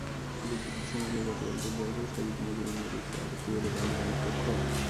এদিকে ঘোষণা দিয়েও গতকাল বুধবার প্রস্তাবিত মজুরি নিয়ে লিখিত আপত্তি বোর্ডে দেয়নি মালিকপক্ষ।